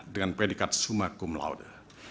dengan predikat summa cum laude